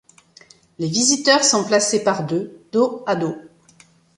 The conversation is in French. Les visiteurs sont placés par deux, dos à dos.